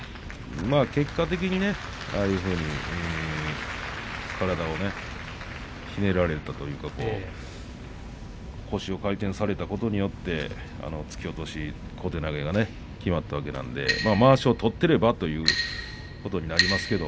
結果的にああいうふうに体をひねられたというか腰を回転されたことによって突き落とし小手投げがきまったわけなんでまわしを取っていればということになりますけれど。